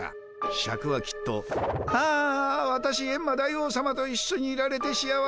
シャクはきっと「あわたしエンマ大王さまといっしょにいられて幸せ。